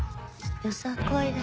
よさこいだ。